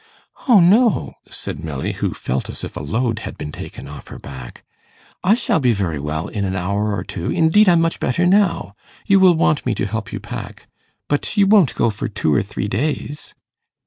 'Oh no,' said Milly, who felt as if a load had been taken off her back, 'I shall be very well in an hour or two. Indeed, I'm much better now. You will want me to help you to pack. But you won't go for two or three days?